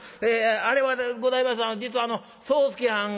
あれはでございますが実はあの宗助はんが」。